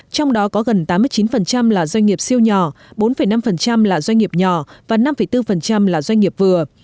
trong đó có gần tám mươi chín là doanh nghiệp siêu nhỏ bốn năm là doanh nghiệp nhỏ và năm bốn là doanh nghiệp vừa